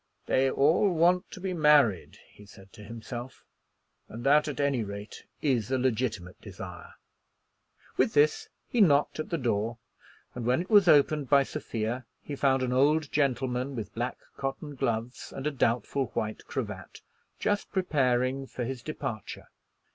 "They all want to be married," he said to himself, "and that at any rate is a legitimate desire." With this he knocked at the door, and when it was opened by Sophia, he found an old gentleman with black cotton gloves and a doubtful white cravat just preparing for his departure.